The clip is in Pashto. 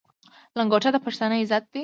لنګوټه د پښتانه عزت دی.